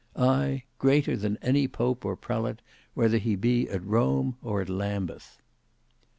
Ay! greater than any pope or prelate, whether he be at Rome or at Lambeth.